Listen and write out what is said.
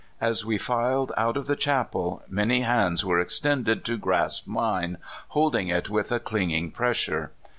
As we filed out of the chapel, many hands were extended to grasp mine, holding it with a clinging pressure.